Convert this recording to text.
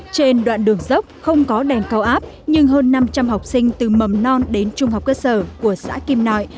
trên đoạn đường dốc không có đèn cao áp nhưng hơn năm trăm linh học sinh từ mầm non đến trung học cơ sở của xã kim nội